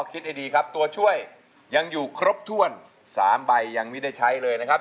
คิดให้ดีครับตัวช่วยยังอยู่ครบถ้วน๓ใบยังไม่ได้ใช้เลยนะครับ